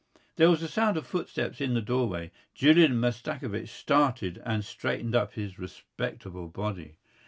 There was a sound of footsteps in the doorway. Julian Mastakovich started and straightened up his respectable body.